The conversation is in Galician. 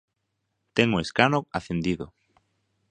Ten o escano acendido.